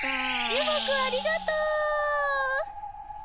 ＵＦＯくんありがとう！